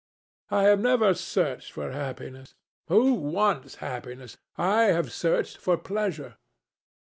"I have never searched for happiness. Who wants happiness? I have searched for pleasure."